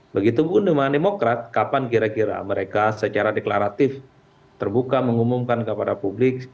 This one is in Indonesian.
begitu undang undang demokrat kapan kira kira mereka secara deklaratif terbuka mengumumkan kepada publik